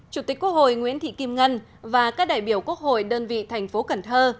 chủ tịch quốc hội nguyễn thị kim ngân và các đại biểu quốc hội đơn vị thành phố cần thơ